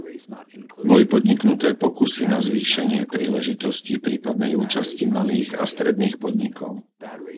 Boli podniknuté pokusy na zvýšenie príležitostí prípadnej účasti malých a stredných podnikov.